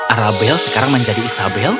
arabel sekarang menjadi isabel